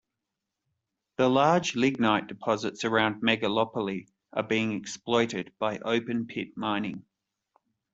The large lignite deposits around Megalopoli are being exploited by open-pit mining.